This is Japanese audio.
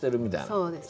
そうです。